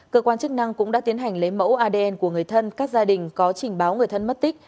cơ quan chức năng cũng đã tiến hành lấy mẫu adn của người thân các gia đình có trình báo người thân mất tích